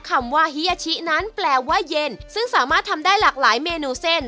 คำว่าเฮียชินั้นแปลว่าเย็นซึ่งสามารถทำได้หลากหลายเมนูเส้น